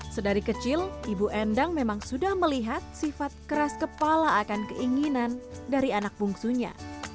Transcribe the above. sedari kecil ibu endang memang sudah melihat sifat keras kepala akan keinginan dari anak bungsunya